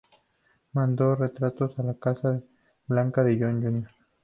Mandó retratos a la Casa Blanca de John Jr.